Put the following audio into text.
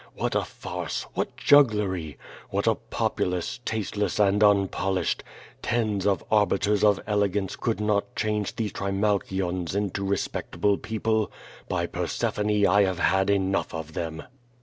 What a farce! What jugglery! What a populace, tasteless and un polished. Tens of Arbiters of Elegance could not change those Trimalchions into respectable people. By Persephone, I have had enough of them!"